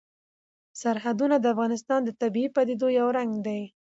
سرحدونه د افغانستان د طبیعي پدیدو یو رنګ دی.